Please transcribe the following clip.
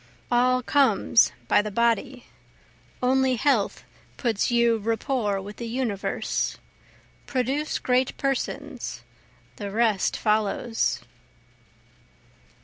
All comes by the body, only health puts you rapport with the universe. Produce great Persons, the rest follows.